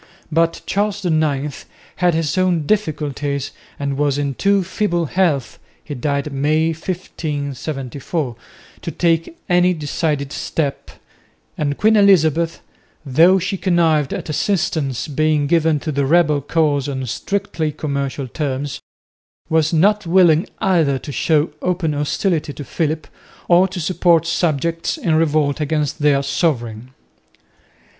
But Charles IX had his own difficulties and was in too feeble health (he died May, 1574) to take any decided step, and Queen Elizabeth, though she connived at assistance being given to the rebel cause on strictly commercial terms, was not willing either to show open hostility to Philip or to support subjects in revolt against their sovereign.